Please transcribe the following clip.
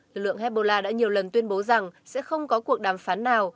lực lượng hezbollah đã nhiều lần tuyên bố rằng sẽ không có cuộc đàm phán nào